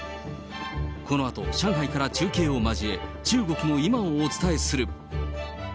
このあと、上海から中継を交え、中国の今をお伝えする。